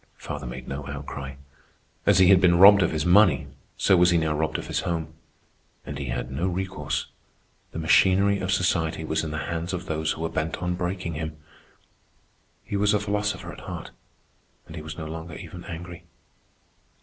Father made no outcry. As he had been robbed of his money, so was he now robbed of his home. And he had no recourse. The machinery of society was in the hands of those who were bent on breaking him. He was a philosopher at heart, and he was no longer even angry.